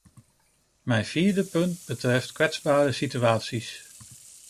Mijn vierde punt betreft kwetsbare situaties.